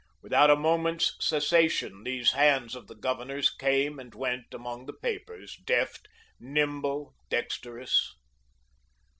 Without a moment's cessation, these hands of the Governor's came and went among the papers, deft, nimble, dexterous.